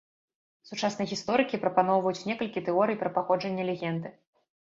Сучасныя гісторыкі прапаноўваюць некалькі тэорый пра паходжанне легенды.